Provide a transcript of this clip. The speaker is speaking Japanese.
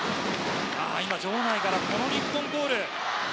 今、場内からこの日本コール。